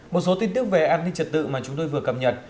một số tin tức về an ninh trật tự mà chúng tôi vừa cập nhật